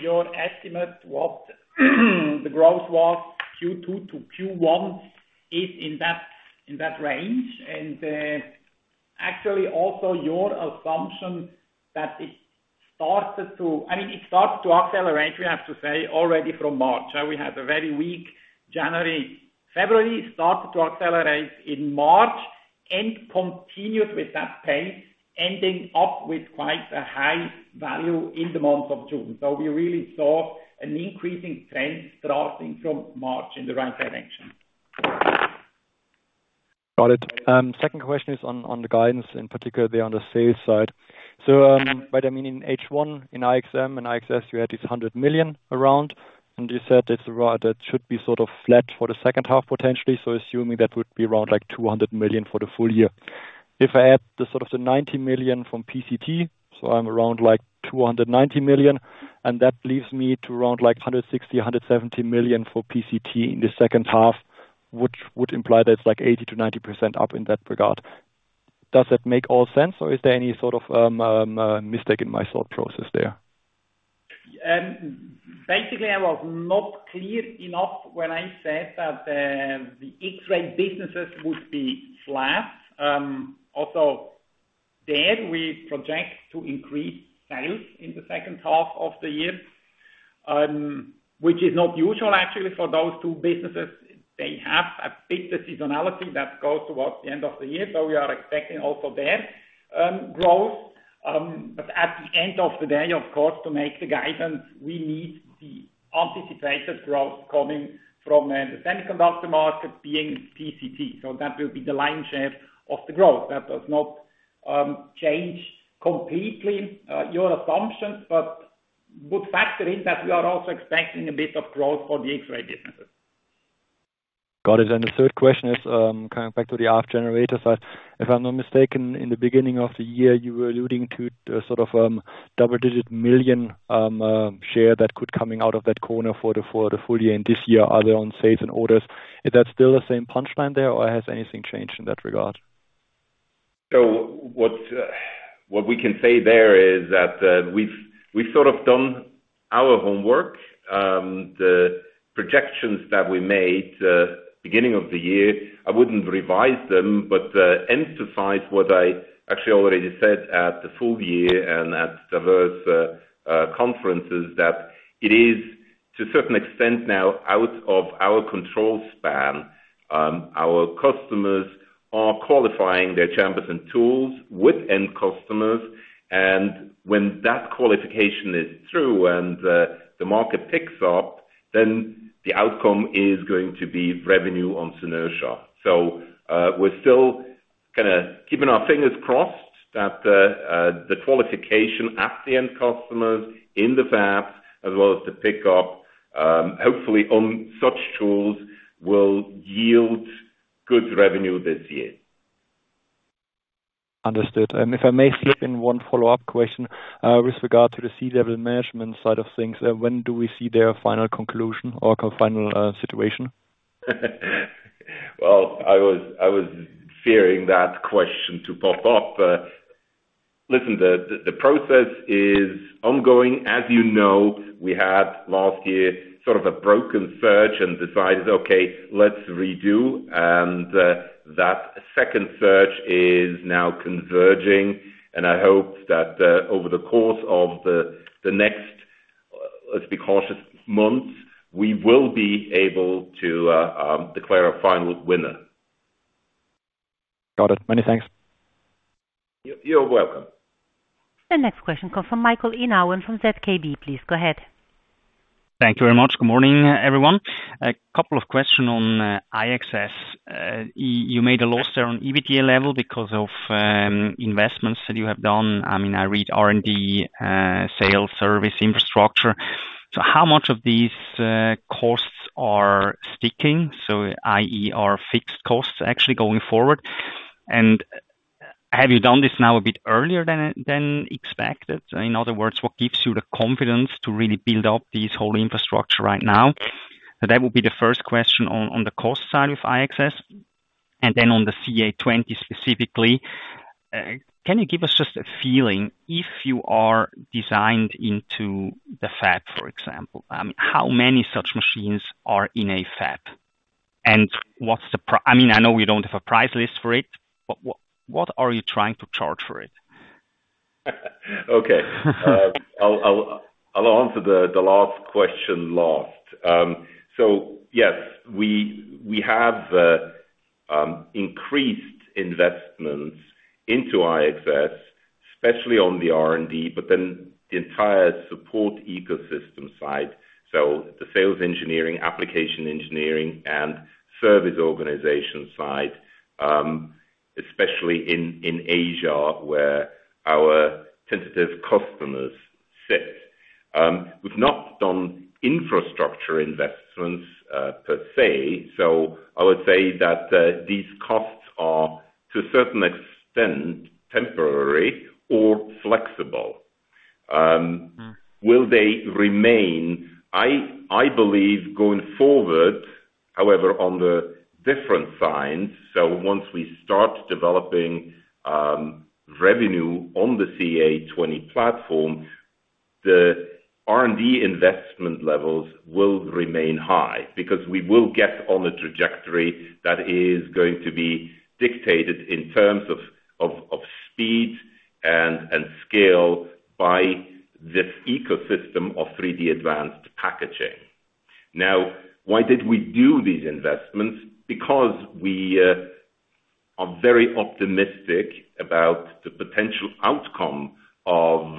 your estimate, the growth was Q2 to Q1, is in that, in that range. And, actually, also your assumption that it started to. I mean, it started to accelerate, we have to say, already from March. We had a very weak January. February started to accelerate in March and continued with that pace, ending up with quite a high value in the month of June. So we really saw an increasing trend starting from March in the right direction. Got it. Second question is on, on the guidance, in particular on the sales side. So, but I mean, in H1, in IXM and IXS, you had this 100 million around, and you said it's around, that should be sort of flat for the second half, potentially. So assuming that would be around, like, 200 million for the full year. If I add the sort of the 90 million from PCT, so I'm around, like, 290 million, and that leaves me to around, like, 160, 170 million for PCT in the second half, which would imply that it's, like, 80% to 90% up in that regard. Does that make all sense, or is there any sort of mistake in my thought process there? Basically, I was not clear enough when I said that, the X-ray businesses would be flat. Also there, we project to increase sales in the second half of the year, which is not usual actually for those two businesses. They have a big seasonality that goes towards the end of the year, so we are expecting also there, growth. But at the end of the day, of course, to make the guidance, we need the anticipated growth coming from, the semiconductor market being PCT. So that will be the lion's share of the growth. That does not, change completely, your assumptions, but would factor in that we are also expecting a bit of growth for the X-ray businesses. Got it. And the third question is, coming back to the arc generator side. If I'm not mistaken, in the beginning of the year, you were alluding to the sort of, double-digit million share that could coming out of that corner for the full year and this year, either on sales and orders. Is that still the same punchline there, or has anything changed in that regard? So, what we can say there is that, we've sort of done our homework. The projections that we made, beginning of the year, I wouldn't revise them, but, emphasize what I actually already said at the full year and at diverse conferences, that it is, to a certain extent now, out of our control span. Our customers are qualifying their chambers and tools with end customers, and when that qualification is through and, the market picks up, then the outcome is going to be revenue on Synertia. So, we're still kinda keeping our fingers crossed that, the qualification at the end customers, in the fab, as well as the pickup, hopefully on such tools, will yield good revenue this year. Understood. And if I may slip in one follow-up question, with regard to the C-level management side of things, when do we see their final conclusion or final situation? Well, I was fearing that question to pop up, but listen, the process is ongoing. As you know, we had last year sort of a broken search and decided, okay, let's redo. And that second search is now converging, and I hope that over the course of the next, let's be cautious, months, we will be able to declare a final winner. Got it. Many thanks.... You, you're welcome. The next question comes from Michael Inauen from ZKB. Please go ahead. Thank you very much. Good morning, everyone. A couple of questions on IXS. You made a loss there on EBITDA level because of investments that you have done. I mean, I read R&D, sales, service, infrastructure. So how much of these costs are sticking? So i.e., are fixed costs actually going forward, and have you done this now a bit earlier than expected? In other words, what gives you the confidence to really build up this whole infrastructure right now? That would be the first question on the cost side of IXS. And then on the CA20 specifically, can you give us just a feeling, if you are designed into the fab, for example, how many such machines are in a fab? What's the, I mean, I know we don't have a price list for it, but what, what are you trying to charge for it? Okay. I'll answer the last question last. So yes, we have increased investments into IXS, especially on the R&D, but then the entire support ecosystem side, so the sales engineering, application engineering, and service organization side, especially in Asia, where our sensitive customers sit. We've not done infrastructure investments per se, so I would say that these costs are to a certain extent temporary or flexible. Mm. Will they remain? I, I believe, going forward, however, on the different sides, so once we start developing, revenue on the CA20 platform, the R&D investment levels will remain high because we will get on a trajectory that is going to be dictated in terms of speed and scale by this ecosystem of 3D advanced packaging. Now, why did we do these investments? Because we are very optimistic about the potential outcome of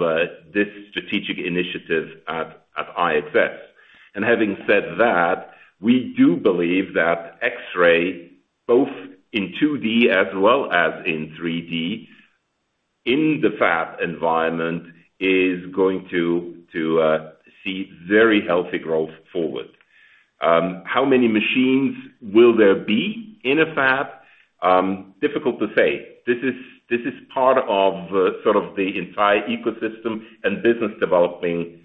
this strategic initiative at IXS. And having said that, we do believe that X-ray, both in 2D as well as in 3D, in the fab environment, is going to see very healthy growth forward. How many machines will there be in a fab? Difficult to say. This is part of sort of the entire ecosystem and business developing,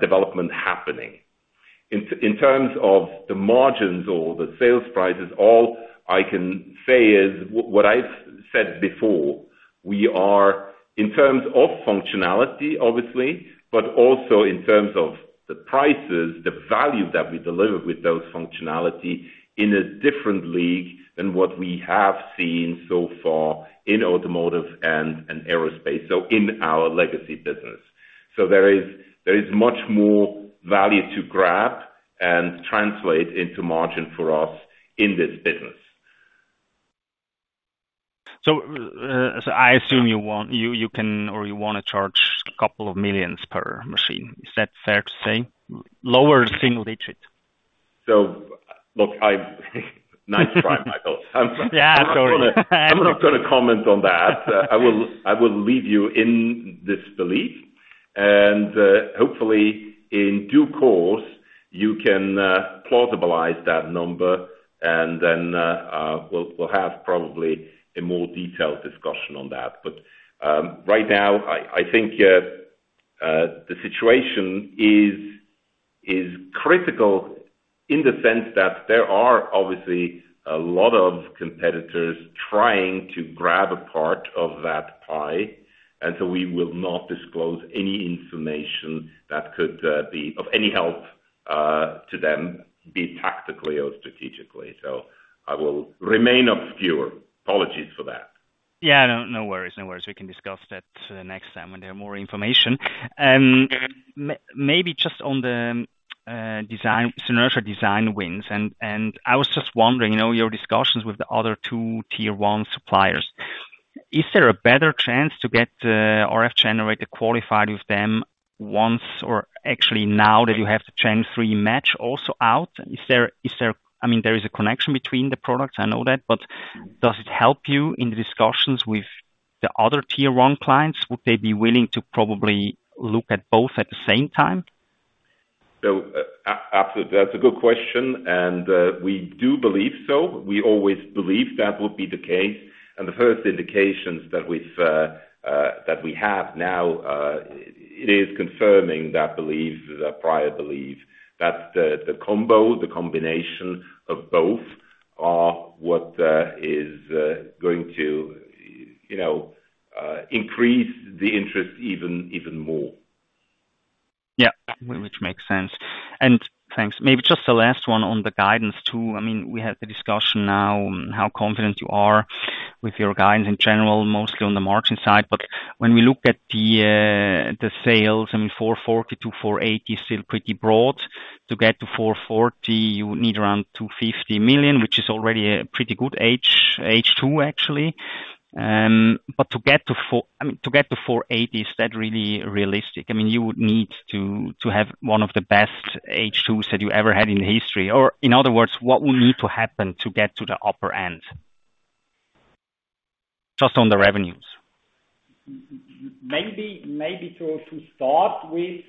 development happening. In terms of the margins or the sales prices, all I can say is what I've said before, we are, in terms of functionality, obviously, but also in terms of the prices, the value that we deliver with those functionality, in a different league than what we have seen so far in automotive and in aerospace, so in our legacy business. So there is much more value to grab and translate into margin for us in this business. So, I assume you want to charge a couple of million CHF per machine. Is that fair to say? Lower single-digit. So look, nice try, Michael. Yeah, sorry. I'm not gonna comment on that. I will leave you in this belief, and hopefully, in due course, you can plausibilize that number, and then we'll have probably a more detailed discussion on that. But right now, I think the situation is critical in the sense that there are obviously a lot of competitors trying to grab a part of that pie, and so we will not disclose any information that could be of any help to them, be it tactically or strategically. So I will remain obscure. Apologies for that. Yeah, no, no worries, no worries. We can discuss that next time when there are more information. Maybe just on the design, Synertia design wins, and I was just wondering, you know, your discussions with the other two tier one suppliers, is there a better chance to get the RF generator qualified with them once or actually now that you have the Gen 3 match also out? Is there, I mean, there is a connection between the products, I know that, but does it help you in the discussions with the other tier one clients? Would they be willing to probably look at both at the same time? That's a good question, and we do believe so. We always believed that would be the case, and the first indications that we have now, it is confirming that belief, the prior belief, that the combo, the combination of both, are what is going to, you know, increase the interest even more. Yeah, which makes sense, and thanks. Maybe just the last one on the guidance, too. I mean, we had the discussion now on how confident you are with your guidance in general, mostly on the margin side, but when we look at the sales, I mean, 440 to 480 million is still pretty broad. To get to 440 million, you would need around 250 million, which is already a pretty good H2, actually. But to get to 480 million, is that really realistic? I mean, you would need to have one of the best H2s that you ever had in history. Or in other words, what would need to happen to get to the upper end? Just on the revenues. Maybe to start with,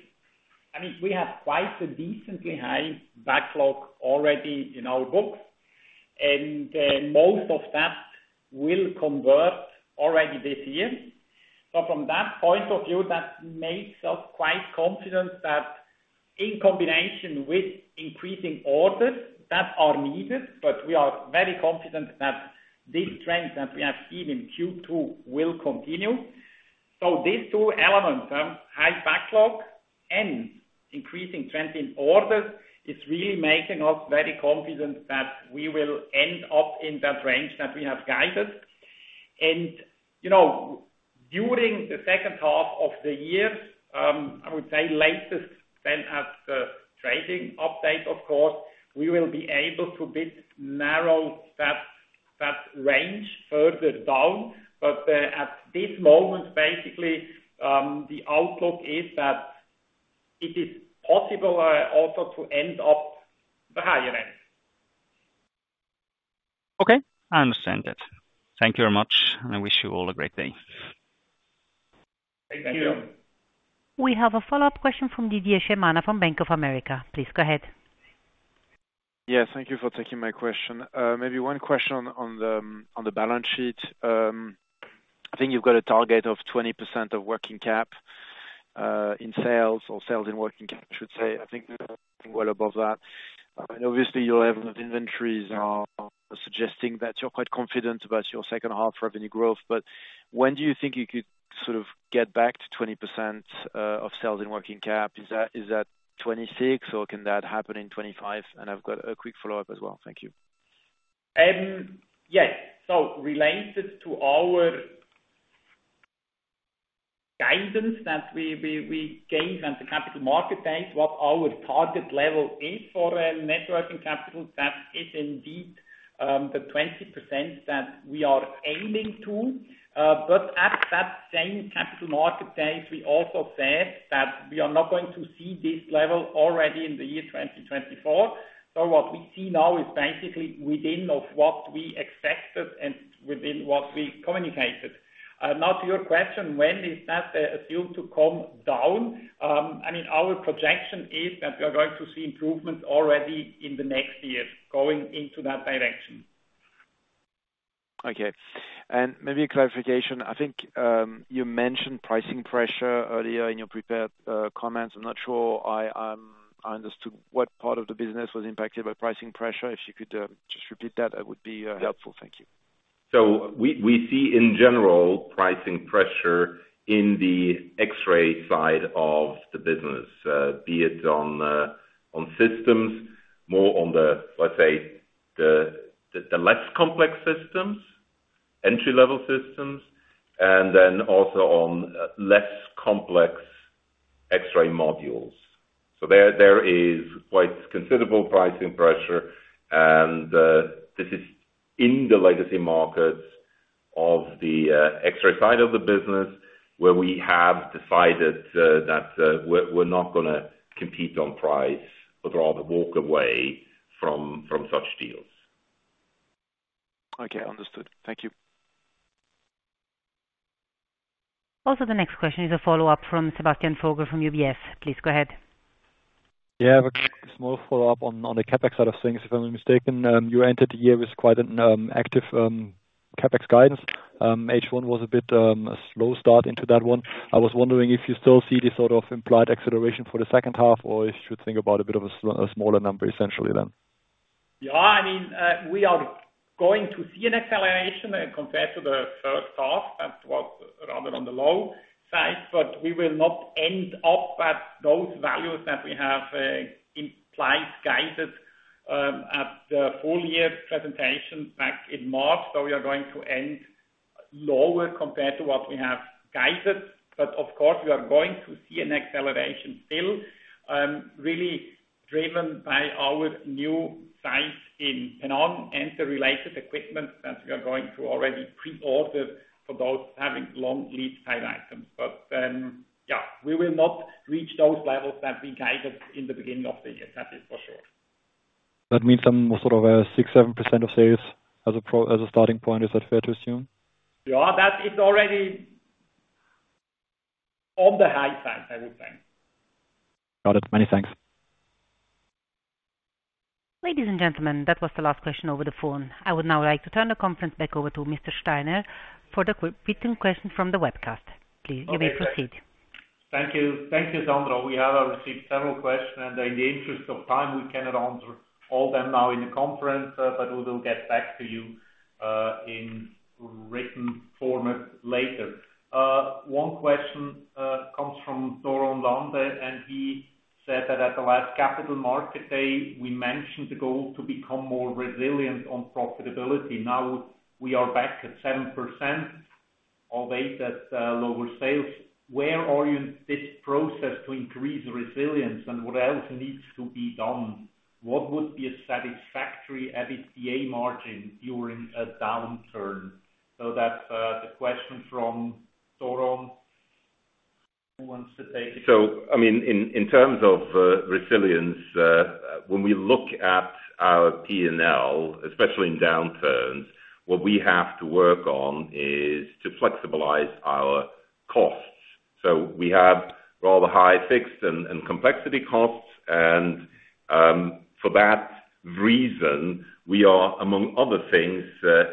I mean, we have quite a decently high backlog already in our books, and most of that will convert already this year. So from that point of view, that makes us quite confident that in combination with increasing orders that are needed, but we are very confident that this trend that we have seen in Q2 will continue. So these two elements, high backlog and increasing trend in orders, is really making us very confident that we will end up in that range that we have guided. And, you know, during the second half of the year, I would say latest than at the trading update, of course, we will be able to bit narrow that, that range further down. But, at this moment, basically, the outlook is that it is possible, also to end up the higher end. Okay, I understand that. Thank you very much, and I wish you all a great day. Thank you. We have a follow-up question from Didier Scemama from Bank of America. Please go ahead. Yes, thank you for taking my question. Maybe one question on the balance sheet. I think you've got a target of 20% of working cap in sales or sales in working cap, I should say. I think well above that. And obviously, your level of inventories are suggesting that you're quite confident about your second half revenue growth. But when do you think you could sort of get back to 20% of sales in working cap? Is that 2026 or can that happen in 2025? And I've got a quick follow-up as well. Thank you. Yes. So related to our guidance that we gave at the Capital Market Day, what our target level is for net working capital, that is indeed the 20% that we are aiming to. But at that same Capital Market Day, we also said that we are not going to see this level already in the year 2024. So what we see now is basically within of what we expected and within what we communicated. Now, to your question, when is that assumed to come down? I mean, our projection is that we are going to see improvement already in the next year, going into that direction. Okay. Maybe a clarification: I think you mentioned pricing pressure earlier in your prepared comments. I'm not sure I understood what part of the business was impacted by pricing pressure. If you could just repeat that, it would be helpful. Thank you. So we see in general pricing pressure in the X-ray side of the business, be it on systems, more on the, let's say, the less complex systems, entry-level systems, and then also on less complex X-ray modules. So there is quite considerable pricing pressure, and this is in the legacy markets of the X-ray side of the business, where we have decided that we're not gonna compete on price, but rather walk away from such deals. Okay, understood. Thank you. Also, the next question is a follow-up from Sebastian Vogel from UBS. Please go ahead. Yeah, a quick, small follow-up on the CapEx side of things. If I'm mistaken, you entered the year with quite an active CapEx guidance. H1 was a bit a slow start into that one. I was wondering if you still see this sort of implied acceleration for the second half, or if you think about a bit of a smaller number essentially then? Yeah, I mean, we are going to see an acceleration as compared to the first half. That was rather on the low side, but we will not end up at those values that we have implied, guided at the full year presentation back in March. So we are going to end lower compared to what we have guided, but of course, we are going to see an acceleration still, really driven by our new sites in, and on IT-related equipment that we are going to already pre-order for those having long lead time items. But, yeah, we will not reach those levels that we guided in the beginning of the year. That is for sure. That means some sort of 6% to 7% of sales as a starting point. Is that fair to assume? Yeah, that is already on the high side, I would think. Got it. Many thanks. Ladies and gentlemen, that was the last question over the phone. I would now like to turn the conference back over to Mr. Steiner for the quick written question from the webcast. Please, you may proceed. Thank you. Thank you, Sandra. We have received several questions, and in the interest of time, we cannot answer all them now in the conference, but we will get back to you, in written format later. One question comes from Thoron Lande, and he said that at the last Capital Market Day, we mentioned the goal to become more resilient on profitability. Now we are back at 7% or 8% at lower sales. Where are you in this process to increase resilience, and what else needs to be done? What would be a satisfactory EBITDA margin during a downturn? So that's the question from Thoron. Who wants to take it? So, I mean, in, in terms of, resilience, when we look at our P&L, especially in downturns, what we have to work on is to flexibilize our costs. So we have rather high fixed and complexity costs, and, for that reason, we are, among other things,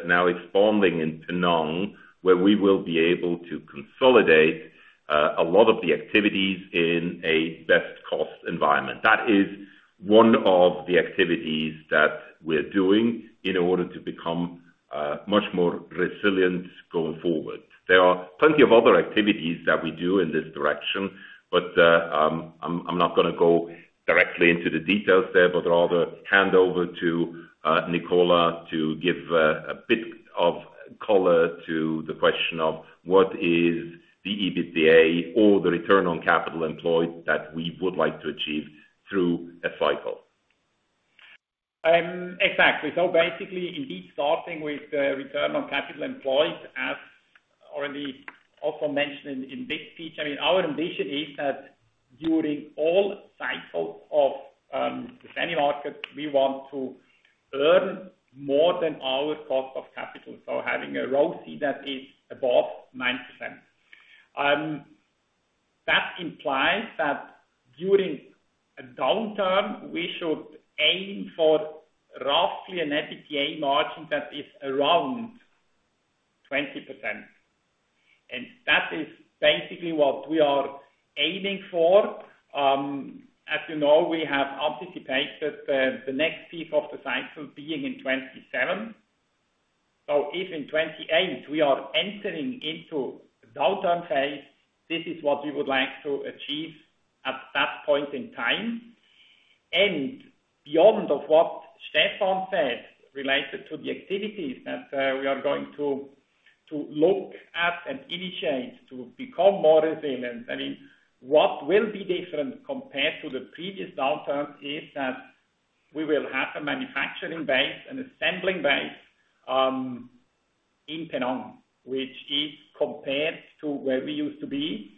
now expanding in Penang, where we will be able to consolidate a lot of the activities in a best cost environment. That is one of the activities that we're doing in order to become much more resilient going forward. There are plenty of other activities that we do in this direction, but I'm not gonna go directly into the details there, but rather hand over to Nicola to give a bit of color to the question of what is the EBITDA or the return on capital employed that we would like to achieve through a cycle. Exactly. So basically, indeed, starting with the return on capital employed, as already also mentioned in, in this feature, I mean, our ambition is that during all cycles of, the semi market, we want to earn more than our cost of capital, so having a ROCE that is above 9%. That implies that during a downturn, we should aim for roughly an EBITDA margin that is around 20%, and that is basically what we are aiming for. As you know, we have anticipated the, the next piece of the cycle being in 2027. So if in 2028 we are entering into a downturn phase, this is what we would like to achieve at that point in time. And beyond of what Stephan said, related to the activities that we are going to look at and initiate to become more resilient, I mean, what will be different compared to the previous downturn is that we will have a manufacturing base, an assembling base, in Penang, which is compared to where we used to be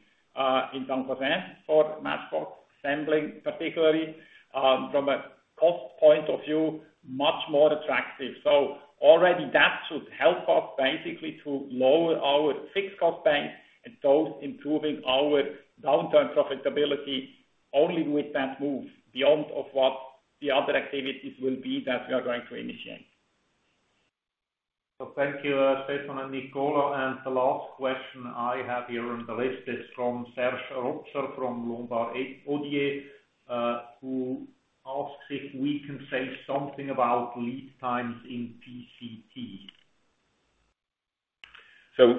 in San Jose for match fab assembling, particularly, from a cost point of view, much more attractive. So already that should help us basically to lower our fixed cost base, and so improving our downturn profitability only with that move, beyond of what the other activities will be that we are going to initiate. Thank you, Stephan and Nicola, and the last question I have here on the list is from Serge Rotzer, from Lombard Odier, who asks if we can say something about lead times in PCT. So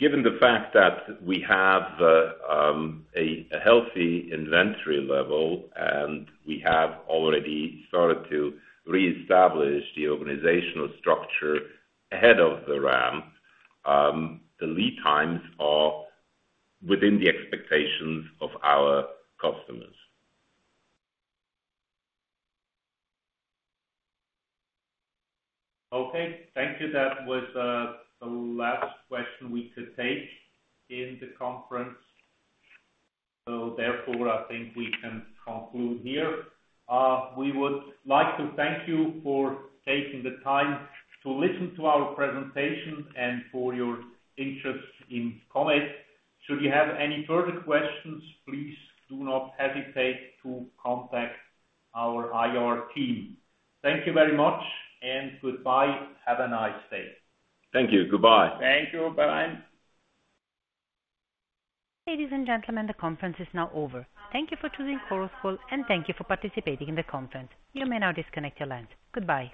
given the fact that we have a healthy inventory level, and we have already started to reestablish the organizational structure ahead of the ramp, the lead times are within the expectations of our customers. Okay, thank you. That was the last question we could take in the conference, so therefore, I think we can conclude here. We would like to thank you for taking the time to listen to our presentation and for your interest in Comet. Should you have any further questions, please do not hesitate to contact our IR team. Thank you very much, and goodbye. Have a nice day. Thank you. Goodbye. Thank you. Bye. Ladies and gentlemen, the conference is now over. Thank you for choosing Chorus Call, and thank you for participating in the conference. You may now disconnect your lines. Goodbye.